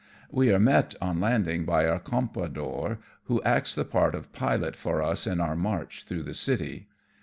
We are met on landing by our compradore, who acts the part of pilot for us in our march through the city.